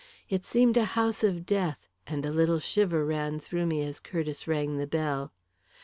It seemed a house of death, and a little shiver ran through me as Curtiss rang the bell.